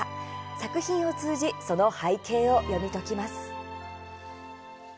作品を通じその背景を読み解きます。